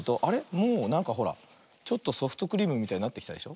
もうなんかほらちょっとソフトクリームみたいになってきたでしょ。